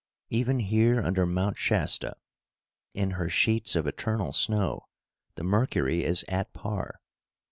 Even here under Mount Shasta, in her sheets of eternal snow, the mercury is at par.